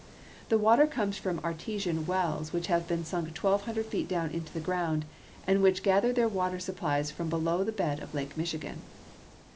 The water comes from artesian wells which have been sunk twelve hundred feet down into the ground, and which gather their water supplies from below the bed of Lake Michigan.